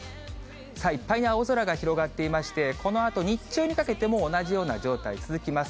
いっぱいに青空が広がっていまして、このあと日中にかけても、同じような状態、続きます。